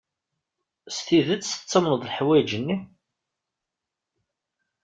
S tidet tettamneḍ leḥwayeǧ-nni?